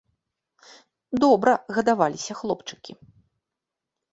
Добра гадаваліся хлопчыкі.